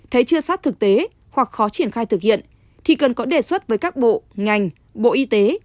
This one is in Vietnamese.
thấy chưa sát thực tế hoặc khó triển khai thực hiện thì cần có đề xuất với các bộ ngành bộ y tế